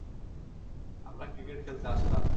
আমরা ক্রিকেট খেলতে আসলাম।